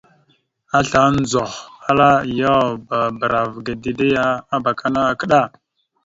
Asla ndzoh, ala: « Yaw, bbarav ge dede ya abakana akadda. ».